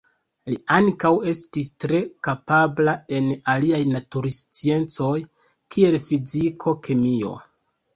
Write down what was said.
Li ankaŭ estis tre kapabla en aliaj natursciencoj kiel fiziko, kemio.